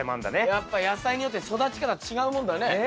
やっぱ野菜によって育ち方違うもんだね。